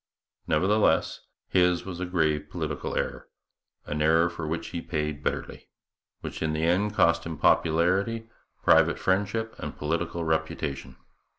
Nevertheless, his was a grave political error an error for which he paid bitterly which in the end cost him popularity, private friendship, and political reputation.